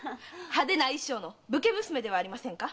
派手な衣装の武家娘ではありませんか？